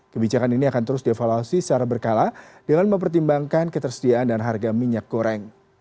kebijakan ini akan terus dievaluasi secara berkala dengan mempertimbangkan ketersediaan dan harga minyak goreng